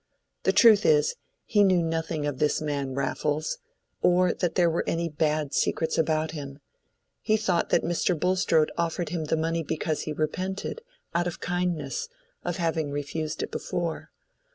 The truth is, he knew nothing of this man Raffles, or that there were any bad secrets about him; and he thought that Mr. Bulstrode offered him the money because he repented, out of kindness, of having refused it before.